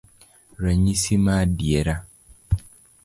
Ranyisi maadiera